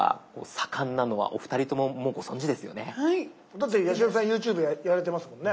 だって八代さんＹｏｕＴｕｂｅやられてますもんね。